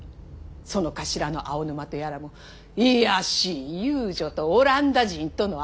その頭の青沼とやらも卑しい遊女とオランダ人との合いの子！